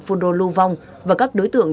phu đô lu vong và các đối tượng